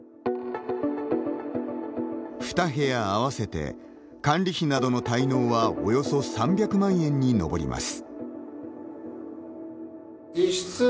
２部屋合わせて管理費などの滞納はおよそ３００万円に上ります。